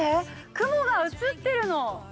雲が映ってるの。